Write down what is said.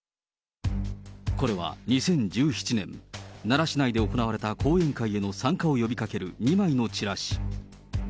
これは２０１７年、奈良市内で行われた講演会への参加を呼びかける２枚のチラシ。